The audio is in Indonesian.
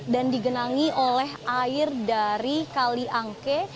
dan digenangi oleh air dari kaliangke